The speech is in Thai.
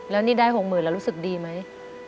แล้วนี่ได้๖๐๐๐แล้วรู้สึกดีไหม